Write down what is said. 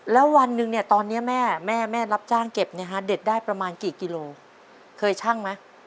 แล้ววันหนึ่งเนี่ยตอนนี้แม่แม่รับจ้างเก็บเด็กได้ประมาณกี่กิโลเคยชั่งไหม